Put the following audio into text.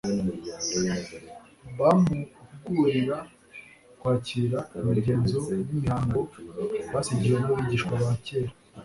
Bamuhugurira kwakira imigenzo n'imihango basigiwe n'abigisha ba kera,